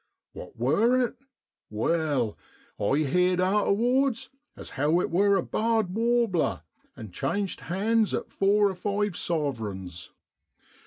What wor it? Well, I heerd arterwards as how it wor a barred warbler, and changed hands at four or five sov'reigns